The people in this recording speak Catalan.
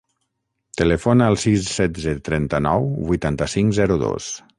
Telefona al sis, setze, trenta-nou, vuitanta-cinc, zero, dos.